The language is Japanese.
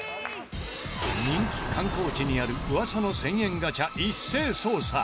人気観光地にある噂の１０００円ガチャ一斉捜査。